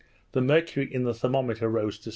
The mercury in the thermometer rose to 66.